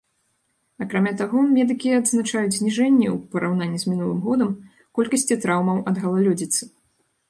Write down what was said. Акрамя таго, медыкі адзначаюць зніжэнне, у параўнанні з мінулым годам, колькасці траўмаў ад галалёдзіцы.